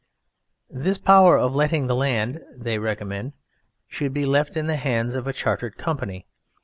This power of letting the land should, they recommend, be left in the hands of a Chartered Company.